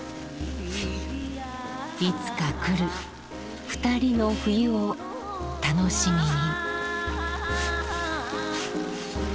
いつかくる二人の冬を楽しみに。